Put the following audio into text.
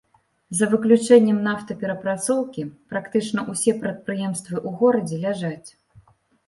За выключэннем нафтаперапрацоўкі, практычна ўсе прадпрыемствы ў горадзе ляжаць.